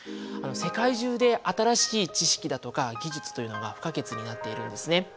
世界中で新しい知識だとか技術というのが不可欠になっているんですね。